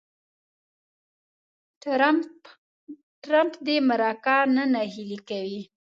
ټرمپ دې مرکه نه نهیلې کوي.